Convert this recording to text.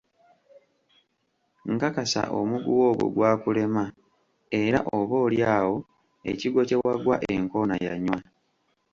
Nkakasa omuguwa ogwo gwakulema era oba oli awo ekigwo kye wagwa enkoona yanywa.